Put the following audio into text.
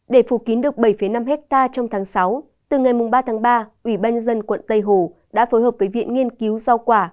để phụ kiến được bảy năm hectare trong tháng sáu từ ngày ba ba ủy ban dân quận tây hồ đã phối hợp với viện nghiên cứu giao quả